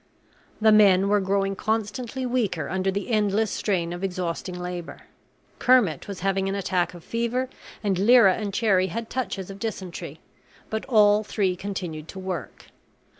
The men were growing constantly weaker under the endless strain of exhausting labor. Kermit was having an attack of fever, and Lyra and Cherrie had touches of dysentery, but all three continued to work.